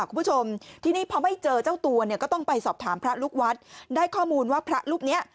คุณผู้ชมที่นี่พอไม่เจอเจ้าตัวเนี่ยก็ต้องไปสอบถามพระลูกวัดได้ข้อมูลว่าพระรูปเนี้ย